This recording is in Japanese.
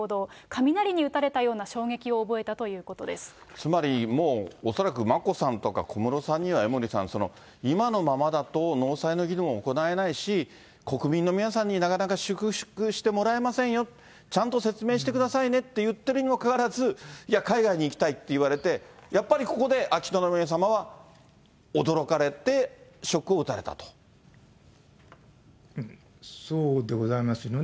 雷に打たれたような衝撃を覚えたつまり、もう、恐らく眞子さんとか小室さんには、江森さん、今のままだと納采の儀も行えないし、国民の皆さんになかなか祝福してもらえませんよ、ちゃんと説明してくださいねって言ってるにもかかわらず、いや、海外に行きたいって言われて、やっぱりここで秋篠宮さまは、驚かれて、そうでございますね。